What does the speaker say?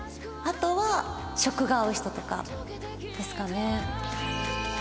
あとは食が合う人とかですかね。